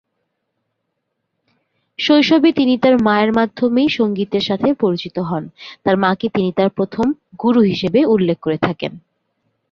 শৈশবে তিনি তার মায়ের মাধ্যমেই সঙ্গীতের সাথে পরিচিত হন, তার মাকে তিনি তার প্রথম "গুরু" হিসেবে উল্লেখ করে থাকেন।